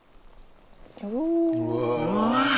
うわ！